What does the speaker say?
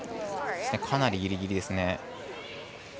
かなりギリギリですね。